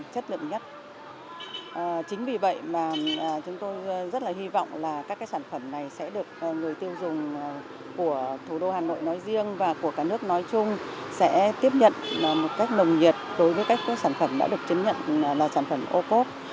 các khu trưng sẽ tiếp nhận một cách nồng nhiệt đối với các sản phẩm đã được chứng nhận là sản phẩm ô cốp